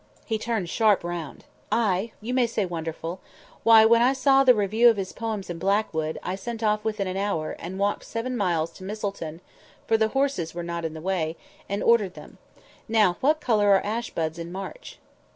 He turned sharp round. "Ay! you may say 'wonderful.' Why, when I saw the review of his poems in Blackwood, I set off within an hour, and walked seven miles to Misselton (for the horses were not in the way) and ordered them. Now, what colour are ash buds in March?"